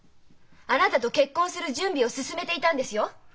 あなたと結婚する準備を進めていたんですよ。